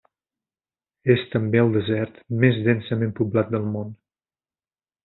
És també el desert més densament poblat del món.